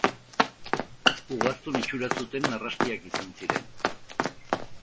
Ugaztun-itxura zuten narrastiak izan ziren.